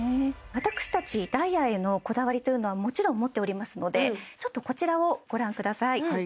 私達ダイヤへのこだわりというのはもちろん持っておりますのでちょっとこちらをご覧ください